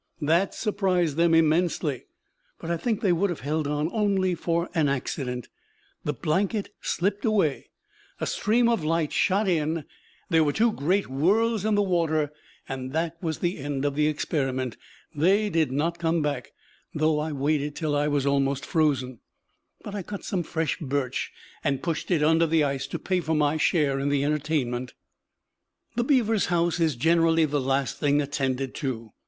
That surprised them immensely; but I think they would have held on only for an accident. The blanket slipped away; a stream of light shot in; there were two great whirls in the water; and that was the end of the experiment. They did not come back, though I waited till I was almost frozen. But I cut some fresh birch and pushed it under the ice to pay for my share in the entertainment. The beaver's house is generally the last thing attended to.